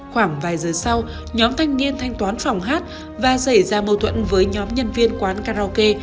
khoảng vài giờ sau nhóm thanh niên thanh toán phòng hát và xảy ra mâu thuẫn với nhóm nhân viên quán karaoke